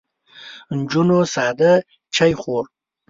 نجونو ساده چای خوړ.